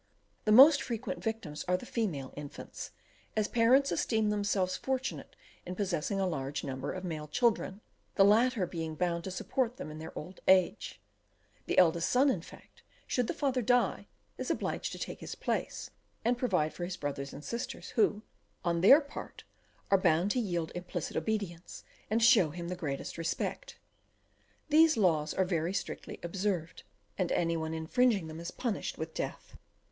The most frequent victims are the female infants, as parents esteem themselves fortunate in possessing a large number of male children, the latter being bound to support them in their old age; the eldest son, in fact, should the father die, is obliged to take his place, and provide for his brothers and sisters, who, on their part, are bound to yield implicit obedience, and show him the greatest respect. These laws are very strictly observed, and any one infringing them is punished with death.